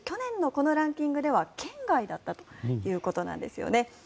去年のこのランキングでは圏外だったということです。